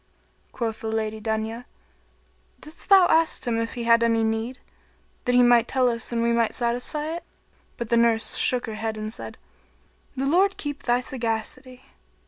Quoth the Lady Dunya, "Didst thou ask him if he had any need, that he might tell us and we might satisfy it?" But the nurse shook her head and said, "The Lord keep thy sagacity!